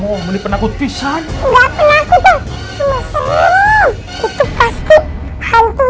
udah lu ngapain lagi kemarin dah